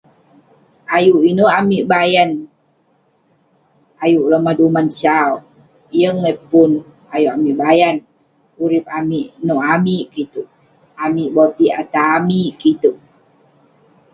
Ayuk ineuk amik bayan, ayuk lomah duman sau, yeng eh pun ayuk amik bayan urip amik nuek amik keh ituek, amik botik atah amik keh ituek